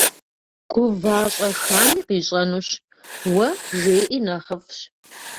Гува щӏэхами къищӏэнущ, уэ жеӏи нэхъыфӏщ.